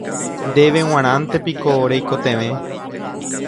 Ndéve g̃uarãntepiko reikotevẽ.